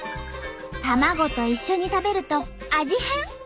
卵と一緒に食べると味変！